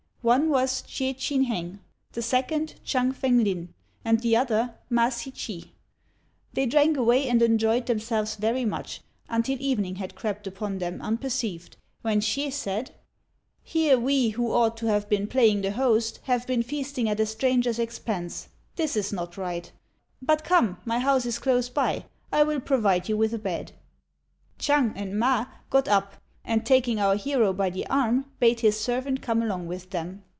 One was Chieh Ch'in hêng; the second, Ch'ang Fêng lin; and the other, Ma Hsi ch'ih. They drank away and enjoyed themselves very much, until evening had crept upon them unperceived, when Chieh said, "Here we, who ought to have been playing the host, have been feasting at a stranger's expense. This is not right. But, come, my house is close by; I will provide you with a bed." Ch'ang and Ma got up, and, taking our hero by the arm, bade his servant come along with them.